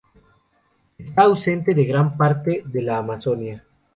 Está ausente de gran parte de la Amazonia.